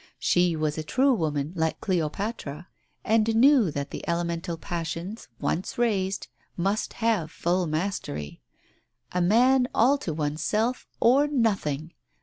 She was a true woman, like Cleopatra, and knew that the elemental passions, once raised, must have full mastery. A man all to oneself or nothing